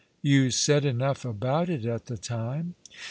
" You said enough about it at the time."